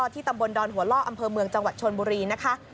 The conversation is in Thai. ที่ตำบลดอนหัวล่ออำเภอเมืองจังหวัดชนบุรีนะคะ